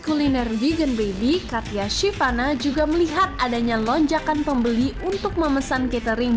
kuliner vegan baby katya shivana juga melihat adanya lonjakan pembeli untuk memesan catering